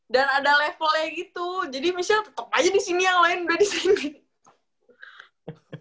dan ada levelnya gitu jadi misalnya tetep aja disini yang lain udah disini